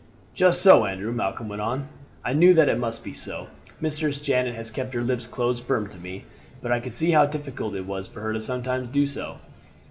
"Just so, Andrew," Malcolm went on; "I knew that it must be so. Mistress Janet has kept her lips closed firm to me, but I could see how difficult it was for her sometimes to do so.